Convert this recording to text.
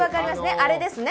あれですね。